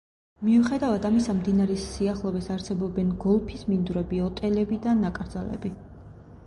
მიუხედავად ამისა მდინარის სიახლოვეს არსებობენ გოლფის მინდვრები, ოტელები და ნაკრძალები.